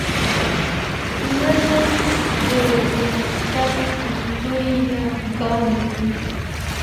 نظم د پرمختګ لومړی ګام دی.